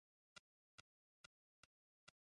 তিনি কামরূপ অনুসন্ধান সমিতির প্রতিষ্ঠাতা সভাপতি ছিলেন।